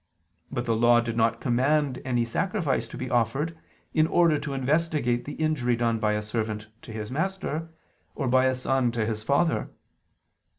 But the Law did not command any sacrifice to be offered in order to investigate the injury done by a servant to his master, or by a son to his father.